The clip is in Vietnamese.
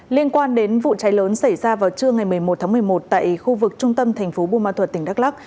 liên quan đến vụ cháy lớn xảy ra vào trưa ngày một mươi một tháng một mươi một tại khu vực trung tâm thành phố bù ma thuật tỉnh đắk lắc